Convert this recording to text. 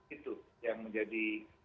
itu yang menjadi